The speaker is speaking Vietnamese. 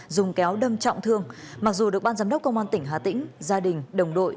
dùng kéo đâm trọng thương mặc dù được ban giám đốc công an tỉnh hà tĩnh gia đình đồng đội